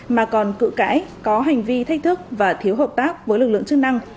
mà còn cự cãi có hành vi thách thức và thiếu hợp tác với lực lượng chức năng